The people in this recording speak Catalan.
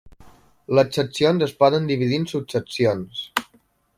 Les seccions es poden dividir en subseccions.